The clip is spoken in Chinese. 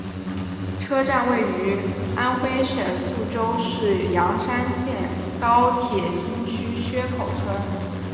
车站位于安徽省宿州市砀山县高铁新区薛口村。